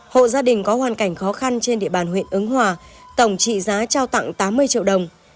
hộ gia đình có hoàn cảnh khó khăn trên địa bàn huyện ứng hòa tổng trị giá trao tặng tám mươi triệu đồng